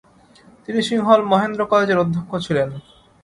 তিনি সিংহল মহেন্দ্র কলেজের অধ্যক্ষ ছিলেন।